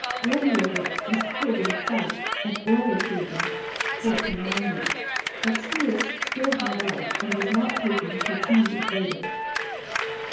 Brederode was killed in a fight at Brouwershaven (1490), but Sluis still held out and was not taken till two years later.